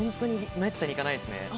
めったに行かないですね。